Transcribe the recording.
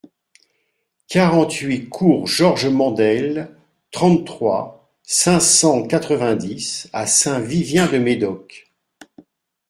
quarante-huit cours Georges Mandel, trente-trois, cinq cent quatre-vingt-dix à Saint-Vivien-de-Médoc